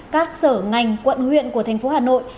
các sở ngành quận nguyện của tp hà nội